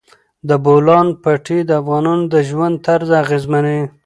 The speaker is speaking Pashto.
د بولان پټي د افغانانو د ژوند طرز اغېزمنوي.